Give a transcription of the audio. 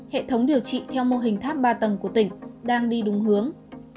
hệ thống điều trị theo mô hình tháp ba tầng của tỉnh đang đi đúng hướng